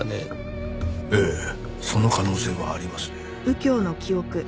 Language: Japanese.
ええその可能性はありますね。